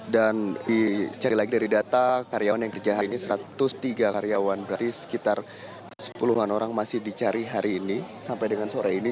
dan dicari lagi dari data karyawan yang kerja hari ini satu ratus tiga karyawan berarti sekitar sepuluh an orang masih dicari hari ini sampai dengan sore ini